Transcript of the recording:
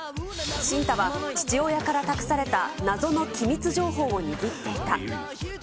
慎太は父親から託された謎の機密情報を握っていた。